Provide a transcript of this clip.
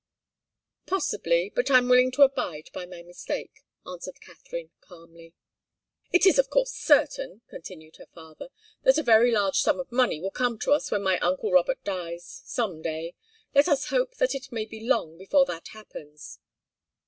"Possibly but I'm willing to abide by my mistake," answered Katharine, calmly. "It is of course certain," continued her father, "that a very large sum of money will come to us when my uncle Robert dies some day. Let us hope that it may be long before that happens."